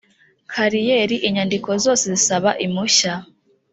kariyeri inyandiko zose zisaba impushya